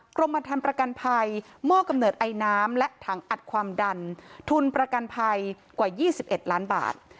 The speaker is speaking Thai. กรมธรรมประกันภัยมอบกำเนิดไอน้ำและถังอัดความดันทุนประกันภัยกว่า๒๑ล้านบาท